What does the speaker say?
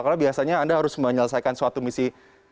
karena biasanya anda harus menyelesaikan suatu misi